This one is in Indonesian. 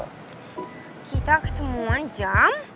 kita ketemuan jam